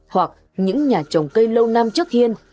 hoặc những nhà trồng cây lâu năm trước hiên